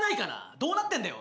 どうなってんだよ。